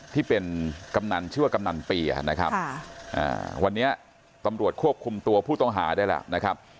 ที่เป็นกำนันชื่อว่ากำนันเปียนะครับวันนี้ตำรวจควบคุมตัวผู้ต้องหาได้แล้วนะครับ